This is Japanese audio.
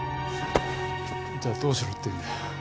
じゃどうしろっていうんだよ？